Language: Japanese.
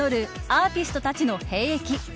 アーティストたちの兵役。